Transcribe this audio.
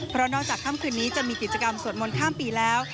เพราะนอกจากค่ำคืนนี้จะมีกิจกรรมสวดมนต์ข้ามปีแล้ว